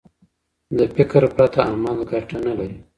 له فکر پرته عمل ګټه نه لري.